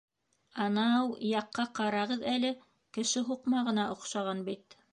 — Ана-ау яҡҡа ҡарағыҙ әле: кеше һуҡмағына оҡшаған бит.